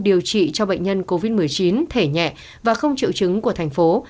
điều trị cho bệnh nhân covid một mươi chín thể nhẹ và không triệu chứng của thành phố